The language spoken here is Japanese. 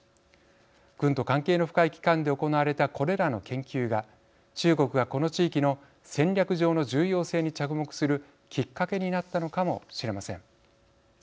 軍と関係の深い機関で行われたこれらの研究が中国がこの地域の戦略上の重要性に着目するきっかけになったのかもしれません。